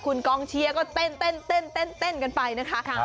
คุณกองเชียร์ก็เต้นกันไปนะคะ